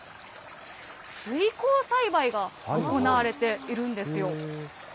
水耕栽培が行われているんですよ。